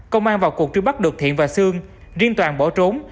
công an vào cuộc truy bắt được thiện và sương riêng toàn bỏ trốn